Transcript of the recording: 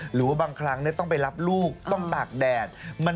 หรือว่าบางครั้งต้องไปรับลูกต้องตากแดด